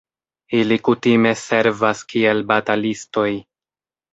Ili kutime servas kiel batalistoj.